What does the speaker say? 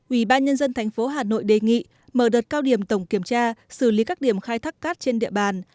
ubnd tp hà nội đề nghị mở đợt cao điểm tổng kiểm tra xử lý các điểm khai thác cát trên địa bàn